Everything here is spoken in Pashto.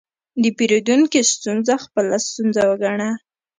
د پیرودونکي ستونزه خپله ستونزه وګڼه.